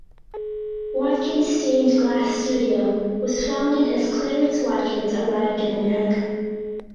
Watkins Stained Glass Studio was founded as Clarence Watkins arrived in America.